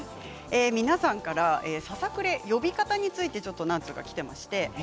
皆さんからささくれの呼び方についてきています。